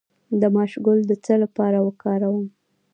د ماش ګل د څه لپاره وکاروم؟